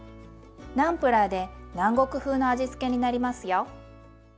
ナンプラーで南国風の味付けになりますよ。